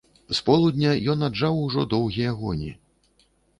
З полудня ён аджаў ужо доўгія гоні.